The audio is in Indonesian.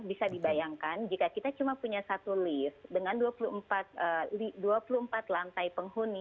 bisa dibayangkan jika kita cuma punya satu lift dengan dua puluh empat lantai penghuni